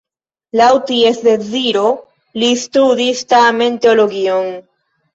Laŭ ties deziro li studis tamen teologion.